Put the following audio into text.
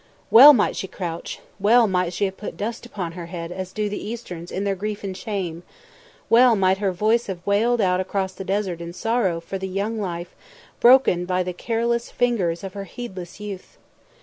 Well might she crouch, well might she have put dust upon her head as do the Easterns in their grief and shame; well might her voice have wailed out across the desert in sorrow for the young life broken by the careless fingers of her heedless youth.